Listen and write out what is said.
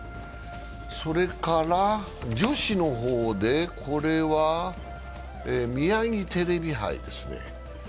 それから女子の方で、これはミヤギテレビ杯ですね。